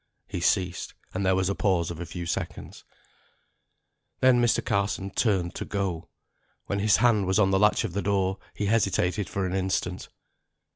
He ceased, and there was a pause of a few seconds. Then Mr. Carson turned to go. When his hand was on the latch of the door, he hesitated for an instant.